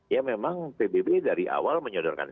ya memang pbb dari awal menyodorkan